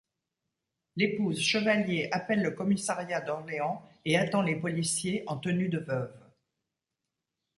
L'épouse Chevallier appelle le commissariat d'Orléans et attend les policiers en tenue de veuve.